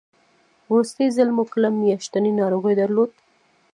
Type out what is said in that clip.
وروستی ځل مو کله میاشتنۍ ناروغي درلوده؟